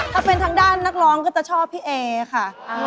ถ้าเป็นทางด้านนักร้องก็จะชอบพี่เอค่ะ